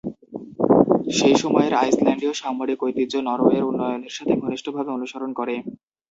সেই সময়ের আইসল্যান্ডীয় সামরিক ঐতিহ্য নরওয়ের উন্নয়নের সাথে ঘনিষ্ঠভাবে অনুসরণ করে।